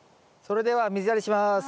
それでは水やりします。